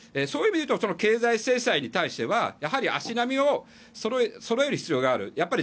そういう意味で言うと経済制裁に対してはやはり足並みをそろえる必要がある。